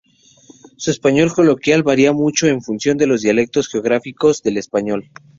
El español coloquial varía mucho en función de los dialectos geográficos del español.